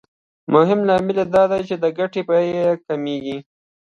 مهم لامل دا دی چې د ګټې بیه کمېږي